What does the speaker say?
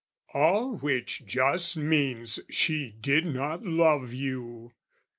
"All which just means, "She did not love you!"